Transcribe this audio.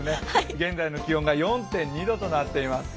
現在の気温が４．２度となっています。